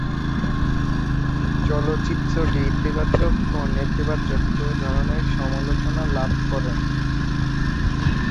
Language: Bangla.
চলচ্চিত্রটি ইতিবাচক ও নেতিবাচক দুই ধরনের সমালোচনা লাভ করে।